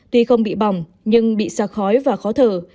tuy không bị bỏng nhưng bị xa khói và khó thở